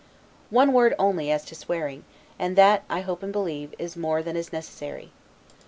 One word only as to swearing, and that, I hope and believe, is more than is necessary.